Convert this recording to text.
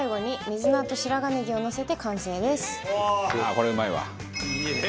これはうまいわ。